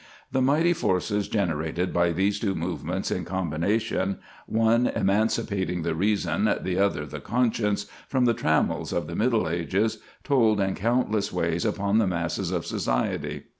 The mighty forces generated by these two movements in combination—one emancipating the reason, the other the conscience, from the trammels of the Middle Ages—told in countless ways upon the masses of society.